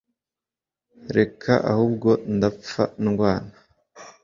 reka ahubwo ndapfa ndwana"